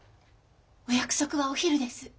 お約束はお昼です。